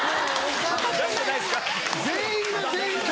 全員が全員曲。